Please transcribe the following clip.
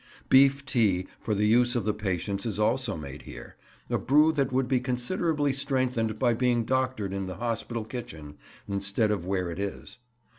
Beef tea for the use of the patients is also made here—a brew that would be considerably strengthened by being doctored in the hospital kitchen instead of where it is.